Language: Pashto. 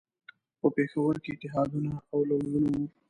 په پېښور کې اتحادونه او لوزونه وو.